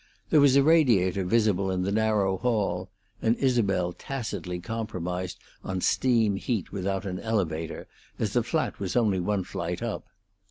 There was a radiator visible in the narrow hall, and Isabel tacitly compromised on steam heat without an elevator, as the flat was only one flight up.